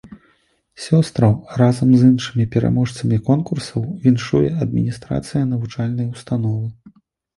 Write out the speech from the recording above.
Сёстраў разам з іншымі пераможцамі конкурсаў віншуе адміністрацыя навучальнай установы.